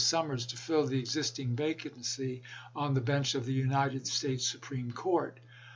Summers to fill the existing vacancy on the bench of the United States ^Lincoin^ Supreme Court.